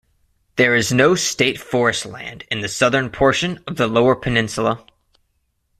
There is no state forest land in the southern portion of the Lower Peninsula.